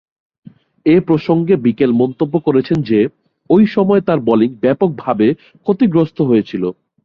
এ প্রসঙ্গে বিকেল মন্তব্য করেছেন যে, ঐ সময়ে তার বোলিং ব্যাপকভাবে ক্ষতিগ্রস্ত হয়েছিল।